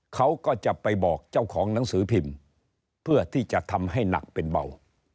เขาก็จะไปบอกเจ้าของหนังสือพิมพ์เพื่อที่จะทำให้หนักเป็นเบา